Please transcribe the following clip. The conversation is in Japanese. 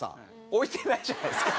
置いてないじゃないですか！